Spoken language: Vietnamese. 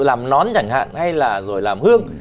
làm nón chẳng hạn hay là rồi làm hương